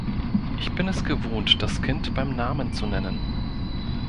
Ich bin es gewohnt, das Kind beim Namen zu nennen.